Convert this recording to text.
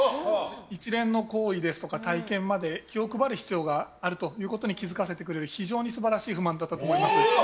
一連の行為ですとか体験まで気を配る必要があるということに気づかせてくれる非常に素晴らしい不満だったと思います。